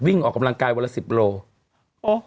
วิ่งออกกำลังกายวันละ๑๐โลกรัม